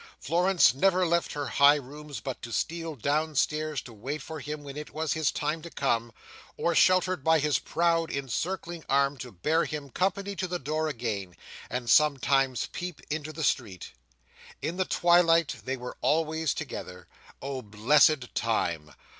Florence never left her high rooms but to steal downstairs to wait for him when it was his time to come, or, sheltered by his proud, encircling arm, to bear him company to the door again, and sometimes peep into the street. In the twilight they were always together. Oh blessed time!